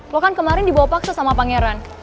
lo kan kemarin dibawa paksa sama pangeran